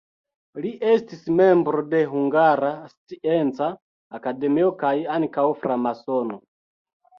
Li estis membro de Hungara Scienca Akademio kaj ankaŭ framasono.